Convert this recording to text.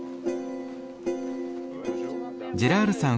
ジェラールさん